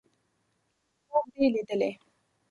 _خوب دې ليدلی!